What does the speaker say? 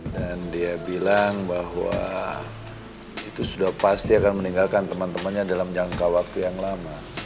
dan dia bilang bahwa itu sudah pasti akan meninggalkan teman temannya dalam jangka waktu yang lama